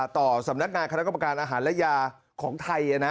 ต่อสำนักงานคณะกรรมการอาหารและยาของไทย